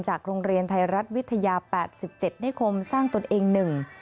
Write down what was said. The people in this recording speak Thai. จากโรงเรียนไทยรัฐวิทยา๘๗ในคมสร้างตนเองหนึ่ง